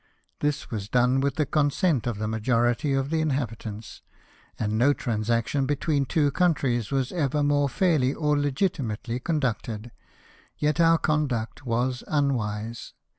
This v/as done with the consent of the majority of the inhabitants ; and no transaction between two countries 76 LIFE OF NELSON. was ever more fairly or legitimately conducted, yet our conduct was unwise.